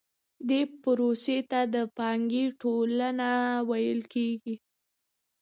دې پروسې ته د پانګې ټولونه ویل کېږي